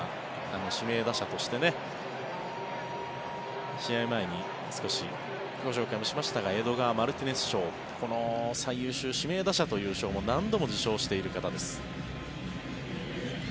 指名打者として試合前に少し紹介しましたがエドガー・マルティネス賞最優秀指名打者賞という賞も何度も受賞している方です。